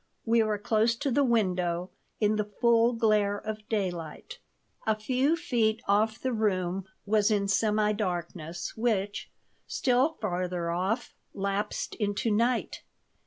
We were close to the window, in the full glare of daylight. A few feet off the room was in semi darkness which, still farther off, lapsed into night.